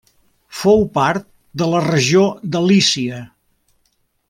Fou part de la regió de Lícia.